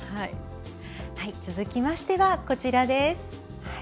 続きまして、こちらです。